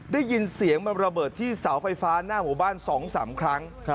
ได้ยินเสียงมันระเบิดที่เสาไฟฟ้าหน้าหมู่บ้าน๒๓ครั้ง